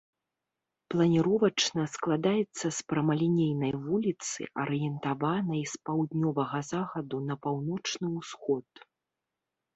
Планіровачна складаецца з прамалінейнай вуліцы, арыентаванай з паўднёвага захаду на паўночны ўсход.